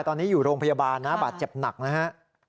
ตอนนี้อยู่โรงพยาบาลนะบาดเจ็บหนักนะฮะ